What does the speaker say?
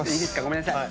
ごめんなさい。